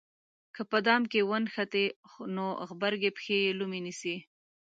که په دام کې ونښتې نو غبرګې پښې یې لومې نیسي.